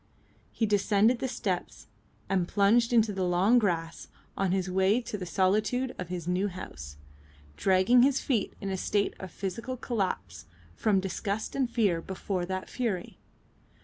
He descended the steps and plunged into the long grass on his way to the solitude of his new house, dragging his feet in a state of physical collapse from disgust and fear before that fury.